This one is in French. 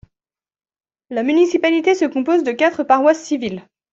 La municipalité se compose de quatre paroisses civiles.